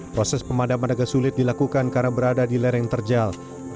proses pemadaman agak sulit dilakukan karena berada di lereng terjal